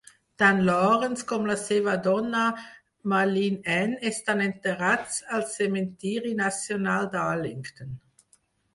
Tant Lawrence com la seva dona Marlene Ann estan enterrats al cementiri nacional d'Arlington.